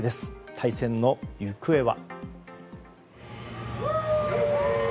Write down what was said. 対戦の行方は？